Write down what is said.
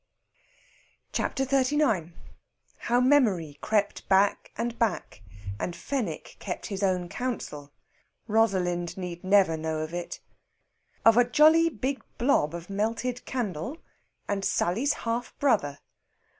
CHAPTER XXXIX HOW MEMORY CREPT BACK AND BACK, AND FENWICK KEPT HIS OWN COUNSEL. ROSALIND NEED NEVER KNOW IT. OF A JOLLY BIG BLOB OF MELTED CANDLE, AND SALLY'S HALF BROTHER.